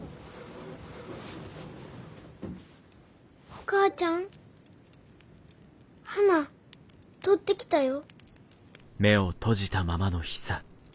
お母ちゃん花採ってきたよ。